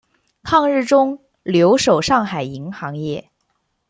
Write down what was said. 抗战中留守上海银行业。